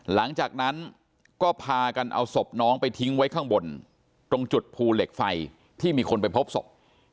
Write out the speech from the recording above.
หลังจากนั้นก็พากันเอาศพน้องไปทิ้งไว้ข้างบนตรงจุดภูเหล็กไฟที่มีคนไปพบศพ